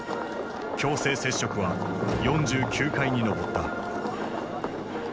強制摂食は４９回に上った。